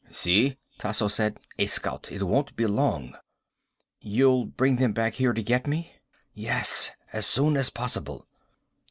"See?" Tasso said. "A scout. It won't be long." "You'll bring them back here to get me?" "Yes. As soon as possible."